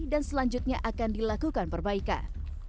dan selanjutnya akan dilakukan perbaikan